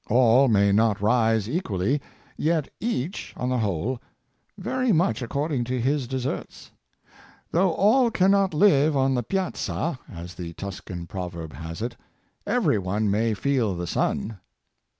All may not rise equally, yet each, on the whole, very much according to his de serts. " Though all cannot live on the piazza,^' as the Tuscan proverb has it, " every one may feel the sun."